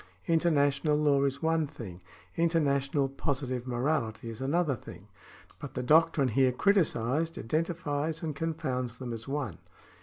International law is one thing, interna tional positive morality is another thing ; but the doctrine here criticised identifies and confounds them as one.